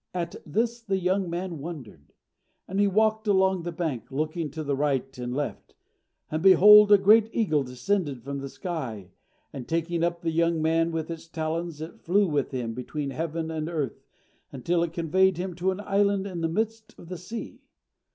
At this the young man wondered. And he walked along the bank, looking to the right and left; and behold! a great eagle descended from the sky, and taking up the young man with its talons, it flew with him, between heaven and earth, until it conveyed him to an island in the midst of the sea.